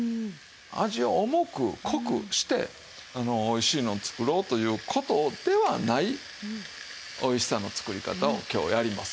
味を重く濃くしておいしいのを作ろうという事ではないおいしさの作り方を今日やります。